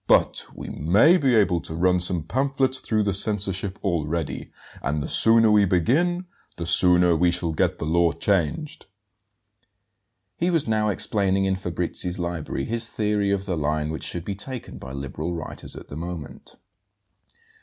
But we may be able to run some pamphlets through the censorship already; and the sooner we begin the sooner we shall get the law changed." He was now explaining in Fabrizi's library his theory of the line which should be taken by liberal writers at the moment.